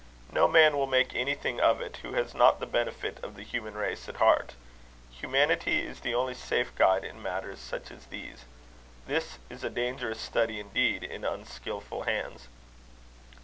No man will make anything of it who has not the benefit of the human race at heart. Humanity is the only safe guide in matters such as these. This is a dangerous study indeed in unskilful hands."